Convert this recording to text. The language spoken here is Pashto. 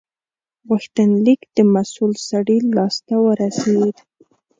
غوښتنلیک د مسول سړي لاس ته ورسید.